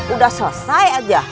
udah selesai aja